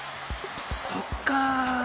そっか。